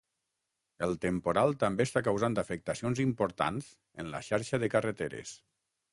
El temporal també està causant afectacions importants en la xarxa de carreteres.